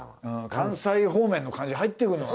関西方面の感じ入ってくるのかな。